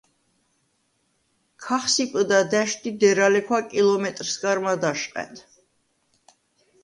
ქახსიპჷდ ა და̈შვდ ი დერალექვა კილომეტრს გარ მად’ აშყა̈დ.